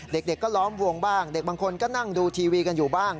เด็กก็ล้อมวงบ้างเด็กบางคนก็นั่งดูทีวีกันอยู่บ้าง